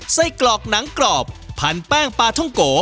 ไส้กรอกหนังกรอบพันแป้งปลาท่องโก